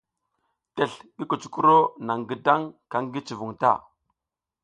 Tesl ngi kucukuro naƞ gidang ka ki cuvun ta.